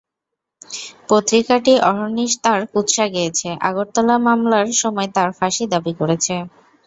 পত্রিকাটি অহর্নিশ তাঁর কুৎসা গেয়েছে, আগরতলা মামলার সময় তাঁর ফাঁসি দাবি করেছে।